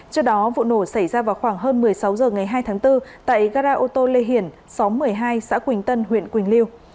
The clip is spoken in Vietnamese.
trước đó vụ nổ xảy ra vào khoảng hơn một mươi sáu h ngày hai tháng bốn tại gara ô tô lê hiển xóm một mươi hai xã quỳnh tân huyện quỳnh lưu